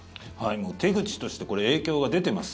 手口として影響が出てます。